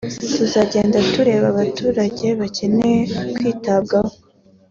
tuzagenda tureba abaturage bakeneye kwitabwabo